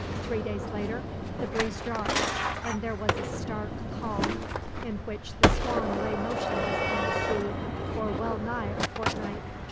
Three days later the breeze dropped, and there was a stark calm, in which the Swan lay motionless on the sea for well nigh a fortnight.